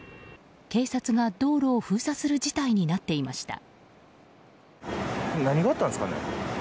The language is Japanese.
警察が道路を封鎖する事態になっていました。